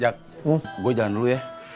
jat gue jalan dulu ya